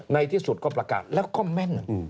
ในที่สุดก็ประกาศแล้วก็แม่น